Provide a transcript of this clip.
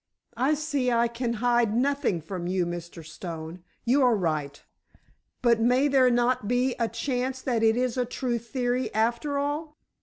"I see I can hide nothing from you, Mr. Stone! You are right—but may there not be a chance that it is a true theory after all?"